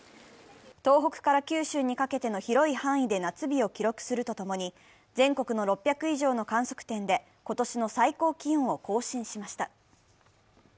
東北から九州にかけての広い範囲で夏日を記録するとともに、全国の６００以上の観測点で今年の最高気温を更新しました。